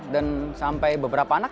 dan sampai beberapa anak